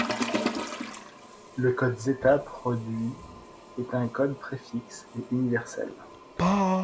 Le code zeta produit est un code préfixe et universel.